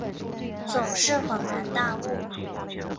总是恍然大悟